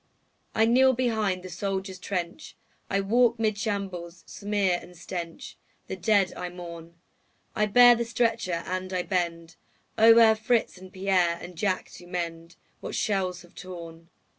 I kneel behind the soldier's trench, I walk 'mid shambles' smear and stench, The dead I mourn; I bear the stretcher and I bend O'er Fritz and Pierre and Jack to mend What shells have torn.